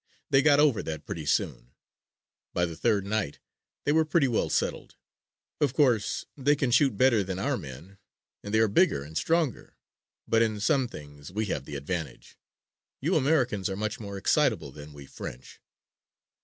They got over that pretty soon. By the third night they were pretty well settled. Of course, they can shoot better than our men and they are bigger and stronger, but in some things we have the advantage. You Americans are much more excitable than we French."